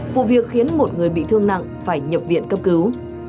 vụ việc khiến một người bị thương nặng phải nhập viện cấp cứu